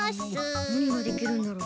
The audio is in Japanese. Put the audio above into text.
なにができるんだろう？